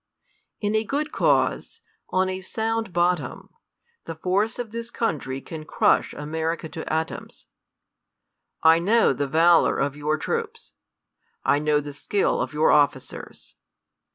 In a good cause, on a so^nd bottom, the force of this country can crush America to atoms. I know the valour of your troops.. I know the skill of your officers.